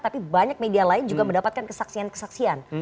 tapi banyak media lain juga mendapatkan kesaksian kesaksian